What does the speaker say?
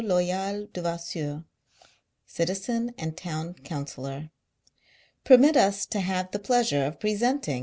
Loyal Devasseur, citizen and town councillor. Permit us to have the pleasure of presenting M.